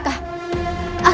asal raka tahu